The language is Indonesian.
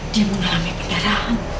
dia mengalami pendarahan